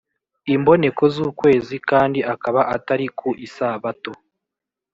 imboneko z’ukwezi kandi akaba atari ku isabato